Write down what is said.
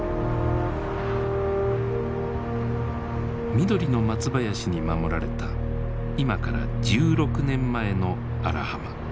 緑の松林に守られた今から１６年前の荒浜。